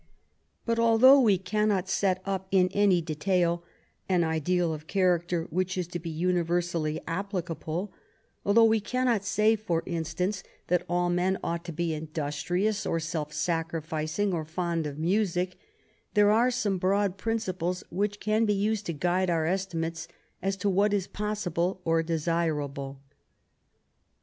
But although we cannot set up in any detail an ideal of character which is to be universally applicable although we cannot say, for instance, that all men ought to be industrious, or self sacrificing, or fond of music there are some broad principles which can be used to guide our estimates as to what is possible or desirable.